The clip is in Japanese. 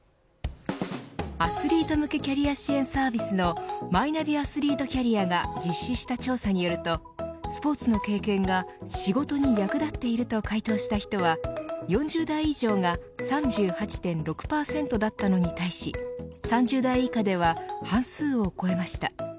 アスリート向けキャリア支援サービスのマイナビアスリートキャリアが実施した調査によるとスポーツの経験が仕事に役立っていると回答した人は４０代以上が３８．６％だったのに対し３０代以下では半数を超えました。